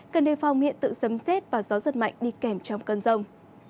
cần đề phòng hiện tượng sấm xét và gió giật mạnh đi kèm trong cơn rông